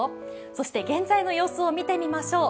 そして、現在の様子を見てみましょう。